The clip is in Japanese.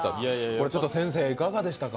これ先生いかがでしたか？